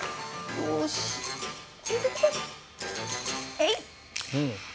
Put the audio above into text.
えいっ！